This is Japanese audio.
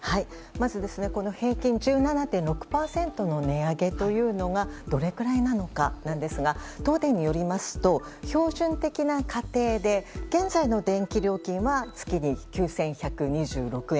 まず、平均１７．６％の値上げというのがどれくらいなのかなんですが東電によりますと標準的な家庭で現在の電気料金は月に９１２６円。